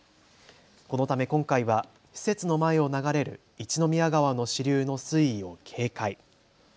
このため今回は施設の前を流れる一宮川の支流の水位を警戒。